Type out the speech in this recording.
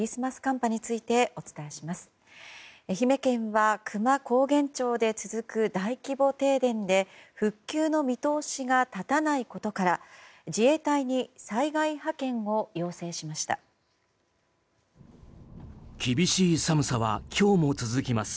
愛媛県は久万高原町で続く大規模停電で復旧の見通しが立たないことから自衛隊に災害派遣を要請しました。